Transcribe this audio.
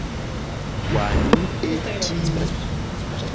Wàní é tíí.